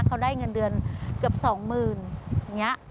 เขาได้เงินเดือนเกือบ๒๐๐๐๐บาท